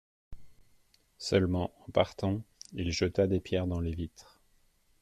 Seulement, en partant, il jeta des pierres dans les vitres.